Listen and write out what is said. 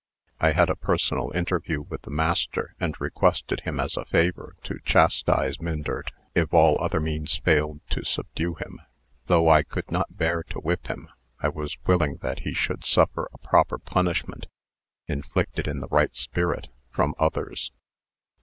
I had a personal interview with the master, and requested him, as a favor, to chastise Myndert, if all other means failed to subdue him. Though I could not bear to whip him, I was willing that he should suffer a proper punishment, inflicted in the right spirit, from others.